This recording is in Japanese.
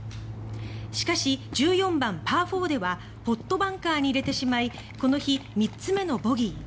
しかし、１４番、パー４ではポットバンカーに入れてしまいこの日３つ目のボギー。